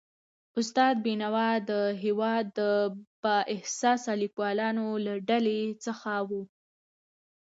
استاد بینوا د هيواد د با احساسه لیکوالانو له ډلې څخه و.